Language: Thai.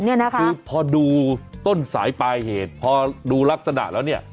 คือพอดูต้นสายปลายเหตุพอดูลักษณะแล้วเนี่ย